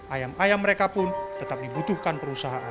ayam ayam mereka pun tetap dibutuhkan perusahaan